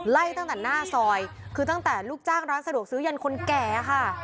ไล่ตั้งแต่หน้าซอยคือตั้งแต่ลูกจ้างร้านสะดวกซื้อยันคนแก่ค่ะ